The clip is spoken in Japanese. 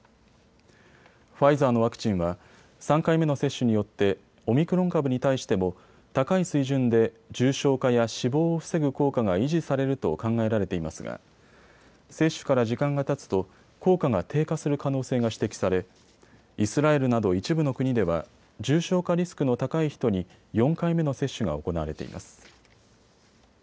ファイザーのワクチンは３回目の接種によってオミクロン株に対しても高い水準で重症化や死亡を防ぐ効果が維持されると考えられていますが接種から時間がたつと効果が低下する可能性が指摘されイスラエルなど一部の国では重症化リスクの高い人に４回目の接種が行われています。